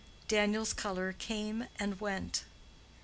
Daniel's color came and went.